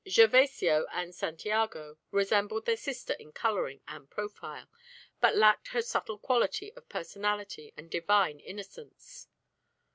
Gervasio and Santiago resembled their sister in coloring and profile, but lacked her subtle quality of personality and divine innocence.